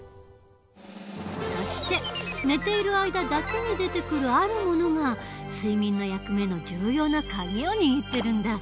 そして寝ている間だけに出てくるあるものが睡眠の役目の重要な鍵を握ってるんだ。